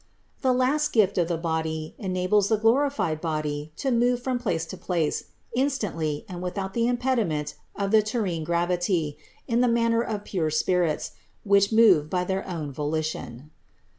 173. The last gift of the body enables the glorified body to move from place to place instantly and without the impediment of terrene gravity, in the manner of pure spirits, which move by their own volition.